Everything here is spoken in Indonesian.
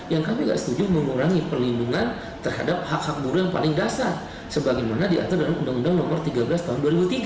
yang kami tidak setuju mengurangi perlindungan terhadap hak hak buruh yang paling dasar sebagaimana diatur dalam undang undang nomor tiga belas tahun dua ribu tiga